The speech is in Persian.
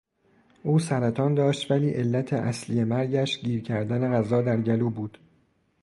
او سرطان داشت ولی علت اصلی مرگش، گیر کردن غذا در گلو بود.